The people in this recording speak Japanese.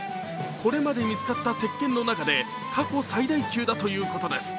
これまで見つかった鉄剣の中で過去最大級だということです。